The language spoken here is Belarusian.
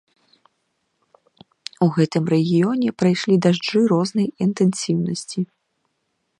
У гэтым рэгіёне прайшлі дажджы рознай інтэнсіўнасці.